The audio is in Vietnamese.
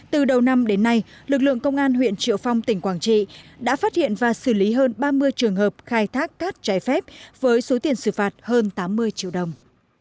từ đầu năm đến nay lực lượng công an huyện triệu phong tỉnh quảng trị đã phát hiện và xử lý hơn ba mươi trường hợp khai thác cát trái phép với số tiền xử phạt hơn tám mươi triệu đồng